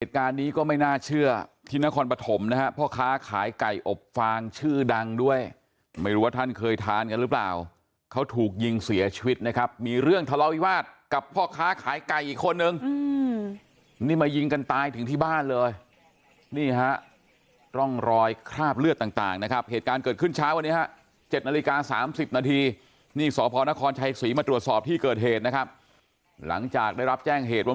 เหตุการณ์นี้ก็ไม่น่าเชื่อที่นครปฐมนะฮะพ่อค้าขายไก่อบฟางชื่อดังด้วยไม่รู้ว่าท่านเคยทานกันหรือเปล่าเขาถูกยิงเสียชีวิตนะครับมีเรื่องทะเลาวิวาสกับพ่อค้าขายไก่อีกคนหนึ่งอืมนี่มายิงกันตายถึงที่บ้านเลยนี่ฮะร่องรอยคราบเลือดต่างนะครับเหตุการณ์เกิดขึ้นเช้าวันนี้ฮะ๗นาฬิกา๓๐